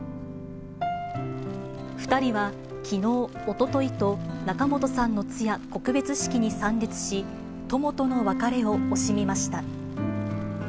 ２人はきのう、おとといと、仲本さんの通夜・告別式に参列し、友との別れを惜しみました。